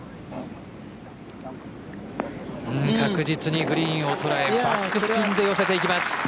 確実にグリーンを捉えバックスピンで寄せていきます。